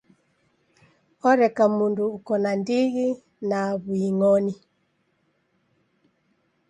Oreka mndu uko na ndighi na w'uing'oni.